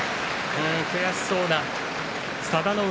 悔しそうな佐田の海。